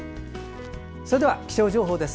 それでは気象情報です。